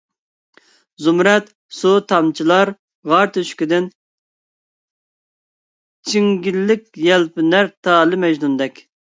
زۇمرەت سۇ تامچىلار غار تۆشۈكىدىن، چىڭگىلىك يەلپۈنەر تالى مەجنۇندەك،